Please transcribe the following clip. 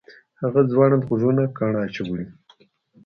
هغه ځوړند غوږونه کاڼه اچولي